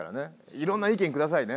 いろんない見くださいね。